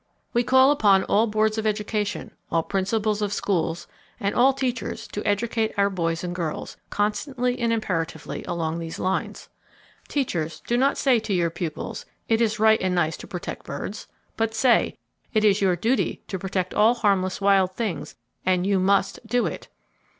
We call upon all boards of education, all principals of schools and all teachers to educate our boys and girls, constantly and imperatively, along those lines. Teachers, do not say to your pupils,—"It is right and nice to protect birds," but say:—"It is your Duty to protect all harmless wild things, and you must do it!"